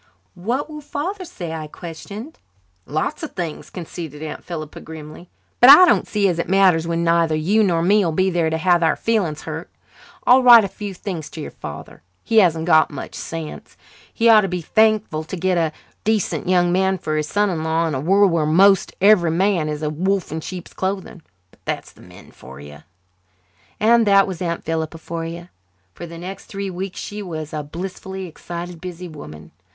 "What will Father say?" I questioned. "Lots o' things," conceded Aunt Philippa grimly. "But I don't see as it matters when neither you nor me'll be there to have our feelings hurt. I'll write a few things to your father. He hasn't got much sense. He ought to be thankful to get a decent young man for his son in law in a world where most every man is a wolf in sheep's clothing. But that's the men for you." And that was Aunt Philippa for you. For the next three weeks she was a blissfully excited, busy woman.